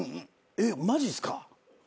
えっマジっすか？